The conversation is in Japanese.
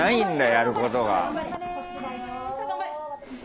やることが。